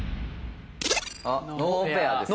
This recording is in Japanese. ノーペアですね。